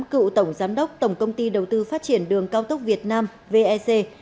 cựu tổng giám đốc tổng công ty đầu tư phát triển đường cao tốc việt nam vec